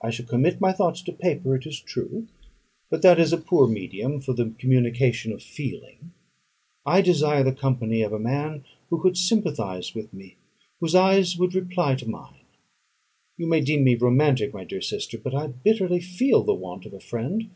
I shall commit my thoughts to paper, it is true; but that is a poor medium for the communication of feeling. I desire the company of a man who could sympathise with me; whose eyes would reply to mine. You may deem me romantic, my dear sister, but I bitterly feel the want of a friend.